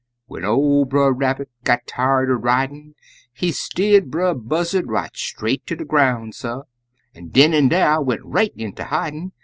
When ol' Brer Rabbit got tired er ridin', He steered Brer Buzzard right straight ter de groun', suh, An' den an' dar went right inter hidin'.